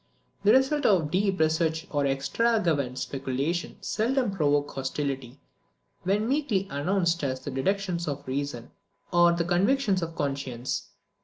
The results of deep research or extravagant speculation seldom provoke hostility, when meekly announced as the deductions of reason or the convictions of conscience.